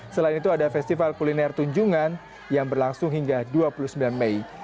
selain itu ada festival kuliner tunjungan yang berlangsung hingga dua puluh sembilan mei